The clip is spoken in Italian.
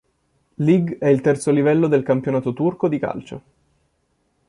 Lig è il terzo livello del campionato turco di calcio.